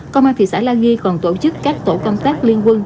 công an thị xã la nghi còn tổ chức các tổ công tác liên quân